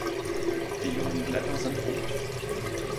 Die jungen Blätter sind rot.